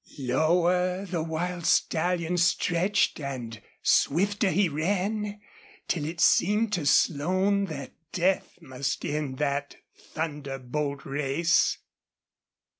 Lower the wild stallion stretched and swifter he ran, till it seemed to Slone that death must end that thunderbolt race.